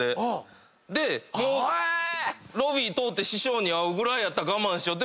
でロビー通って師匠に会うぐらいやったら我慢しよう。